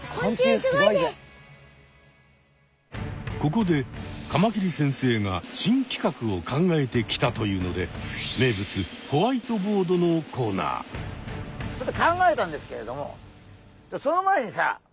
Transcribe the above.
ここでカマキリ先生が新企画を考えてきたというのでちょっと考えたんですけれどもその前にさ